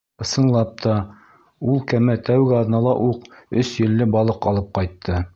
Ысынлап та, ул кәмә тәүге аҙнала уҡ өс елле балыҡ алып ҡайтты.